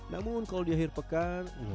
namun kalau di akhir pekan wah ini benar benar enak